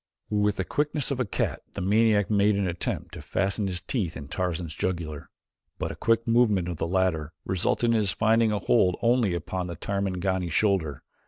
With the quickness of a cat the maniac made an attempt to fasten his teeth in Tarzan's jugular, but a quick movement of the latter resulted in his finding a hold only upon the Tarmangani's shoulder.